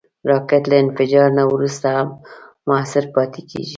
راکټ له انفجار نه وروسته هم مؤثر پاتې کېږي